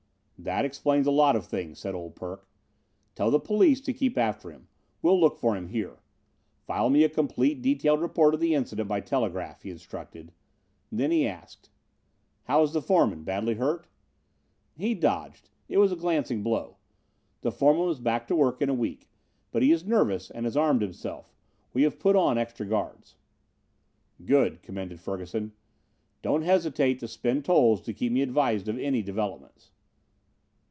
"That explains a lot of things," said "Old Perk." "Tell the police to keep after him. We'll look for him here. File me a complete detailed report of the incident by telegraph," he instructed. Then he asked: "How is the foreman? Badly hurt?" "He dodged; it was a glancing blow. The foreman was back to work in a week. But he is nervous and has armed himself. We have put on extra guards." "Good," commended Ferguson. "Don't hesitate to spend tolls to keep me advised of any developments."